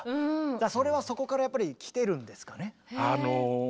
だからそれはそこからやっぱり来てるんですかね？